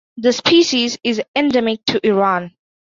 The species is endemic to Iran.